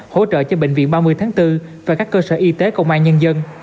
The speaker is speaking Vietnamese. hỗ trợ cho bệnh viện ba mươi tháng bốn và các cơ sở y tế công an nhân dân